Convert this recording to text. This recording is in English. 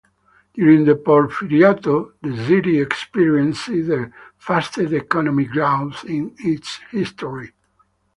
During the Porfiriato the city experienced the fastest economic growth in its history.